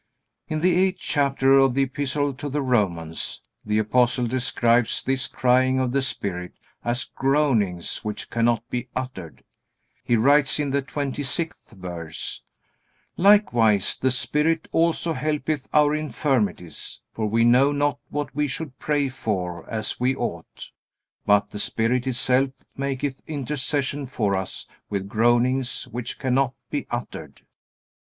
In the eighth chapter of the Epistle to the Romans the Apostle describes this crying of the Spirit as "groanings which cannot be uttered." He writes in the 26th verse: "Likewise the Spirit also helpeth our infirmities: for we know not what we should pray for as we ought: but the Spirit itself maketh intercession for us with groanings which cannot be uttered."